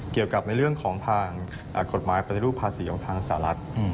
เกี่ยวกับในเรื่องของทางกฎหมายปฏิรูปภาษีของทางสหรัฐ